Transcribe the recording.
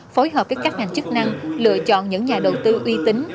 phối hợp với các ngành chức năng lựa chọn những nhà đầu tư uy tín